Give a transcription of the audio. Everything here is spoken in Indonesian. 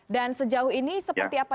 dan sejauh ini seperti apa